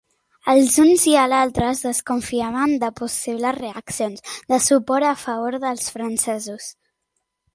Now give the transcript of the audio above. Els uns i els altres desconfiaven de possibles reaccions de suport a favor dels francesos.